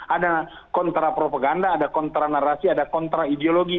ada kontra propaganda ada kontra narasi ada kontra ideologi